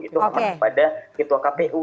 itu aman kepada ketua kpu